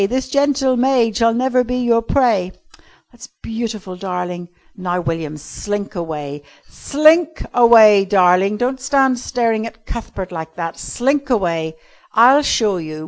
This gentle maid shall never be your prey." "That's beautiful, darling. Now, William, slink away. Slink away, darling. Don't stand staring at Cuthbert like that. Slink away. I'll show you.